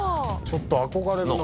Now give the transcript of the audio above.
ちょっと憧れるな。